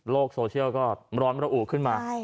โลกโซเชียลก็ร้อนเมลาอุขึ้นมา